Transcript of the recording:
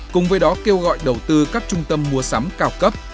cùng với đó kêu gọi đầu tư các trung tâm mua sắm cao cấp